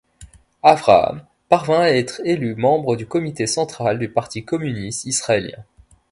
Avraham parvint à être élu membre du comité central du Parti communiste israélien.